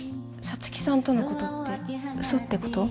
皐月さんとのことって嘘ってこと？